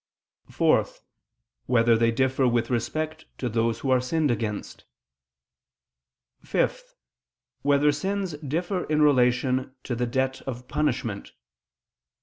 (4) Whether they differ with respect to those who are sinned against? (5) Whether sins differ in relation to the debt of punishment?